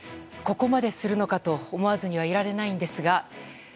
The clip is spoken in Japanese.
ここまでするのかと思わずにはいられないのですが。